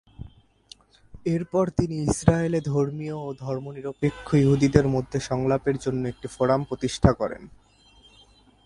এরপর তিনি ইসরায়েলে ধর্মীয় ও ধর্মনিরপেক্ষ ইহুদিদের মধ্যে সংলাপের জন্য একটি ফোরাম প্রতিষ্ঠা করেন।